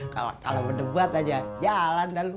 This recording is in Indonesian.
kalo kala mendebat aja jalan dah lo